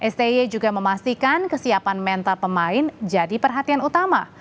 sti juga memastikan kesiapan mental pemain jadi perhatian utama